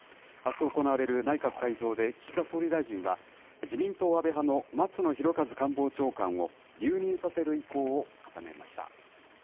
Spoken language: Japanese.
あす行われる内閣改造で岸田総理大臣は自民党安倍派の松野博一官房長官を留任させる意向を固めました。